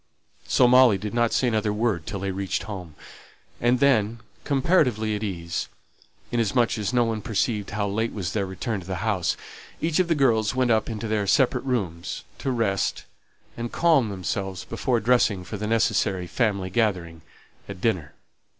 So Molly did not say another word till they reached home; and then, comparatively at ease, inasmuch as no one perceived how late was their return to the house, each of the girls went up into their separate rooms, to rest and calm themselves before dressing for the necessary family gathering at dinner.